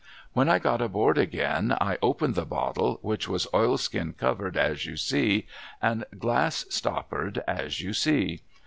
When I got aboard again I opened the bottle, which was oilskin covered as you see, and glrs stoppered as you see.